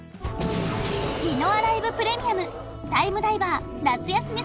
ディノアライブ・プレミアムタイムダイバー夏休み